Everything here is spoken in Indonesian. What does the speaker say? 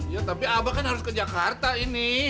ya tapi abah kan harus ke jakarta ini